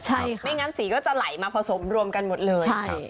ใช่ไม่งั้นสีก็จะไหลมาผสมรวมกันหมดเลย